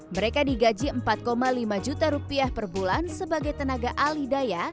mereka digaji empat lima juta rupiah per bulan sebagai tenaga ahli daya